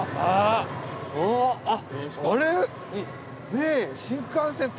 あれ？